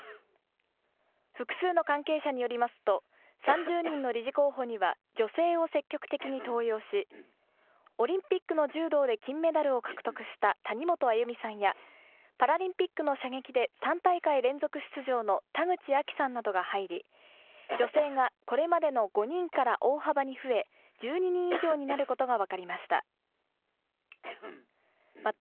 複数の関係者によりますと、３０人の理事候補には女性を積極的に登用し、オリンピックの柔道で金メダルを獲得した谷本歩実さんや、パラリンピックの射撃で３大会連続出場の田口亜希さんなどが入り、女性がこれまでの５人から大幅に増え、１２人以上になることが分かりました。